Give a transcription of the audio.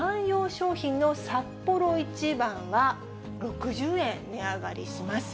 食品のサッポロ一番は６０円値上がりします。